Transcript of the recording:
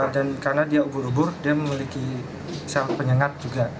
dan karena dia ubur ubur dia memiliki sel penyengat juga